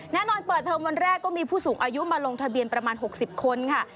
แน่นอนเปิดเทอมวันแรกก็มีผู้สูงอายุมาลงทะเบียนประมาณ๖๐คนค่ะ